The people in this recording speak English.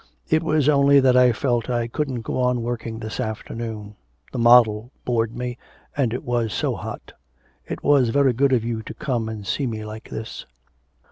It was only that I felt I couldn't go on working this afternoon. The model bored me, and it was so hot. It was very good of you to come and see me like this.'